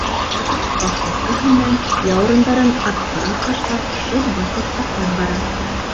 Һалдат походкаһы менән, яурындарын артҡараҡ ташлап, шып баҫып атлап бара.